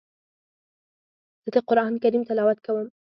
زه د قرآن کريم تلاوت کوم.